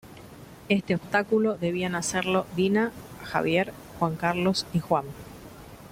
Este obstáculo debían hacerlo Dina, Javier, Juan Carlos y Juan.